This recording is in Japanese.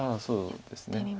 そうですね。